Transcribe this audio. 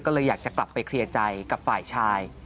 ก็เลยอยากจะกลับไปเคลียร์ใจกับฝ่ายชาย